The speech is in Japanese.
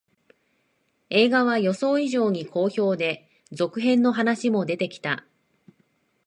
映画は予想以上に好評で、続編の話も出てきた